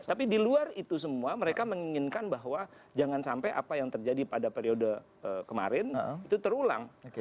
tapi di luar itu semua mereka menginginkan bahwa jangan sampai apa yang terjadi pada periode kemarin itu terulang